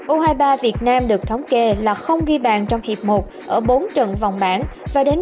u hai mươi ba việt nam được thống kê là không ghi bàn trong hiệp một ở bốn trận vòng bản